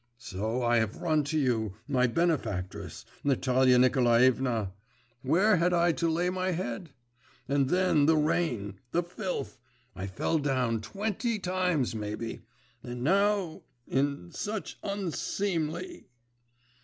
… So, I have run to you, my benefactress, Natalia Nikolaevna … where had I to lay my head? And then the rain, the filth … I fell down twenty times, maybe! And now … in such unseemly.